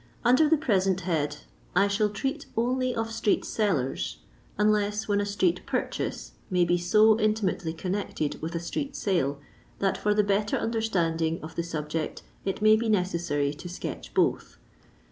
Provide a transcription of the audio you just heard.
Under the present head I shnll treat only of street sellen, unless when a street pwxfuue may be so intimately connected with a street *aU that for the better understanding of the subj(>ct it may be necessary to sketch both.